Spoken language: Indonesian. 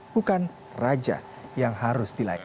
bukan raja yang harus dilayakan